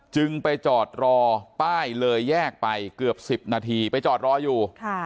จึงไปจอดรอป้ายเลยแยกไปเกือบ๑๐นาทีไปจอดรออยู่